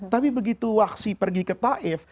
tapi begitu wahsyi pergi ke taif